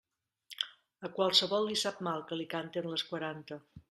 A qualsevol li sap mal que li canten les quaranta.